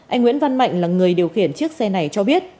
anh nguyễn văn mạnh là người điều khiển chiếc xe này cho biết